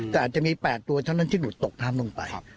แต่อาจจะมี๘ตัวเท่านั้นที่หลุดตกน้ำลงไป